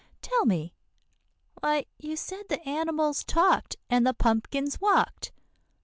Tell me" "Why, you said the animals talked, and the pumpkins walked."